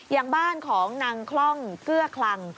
อย่างบ้านของนางคล่องเกื้อคลัง